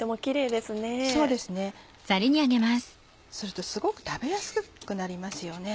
それとすごく食べやすくなりますよね。